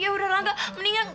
kehidupan yang lebih baik